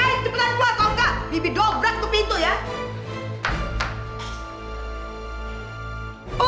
hei cepetan keluar kok gak bibi dobrak tuh pintu ya